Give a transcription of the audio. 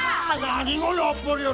何がやっぱりや。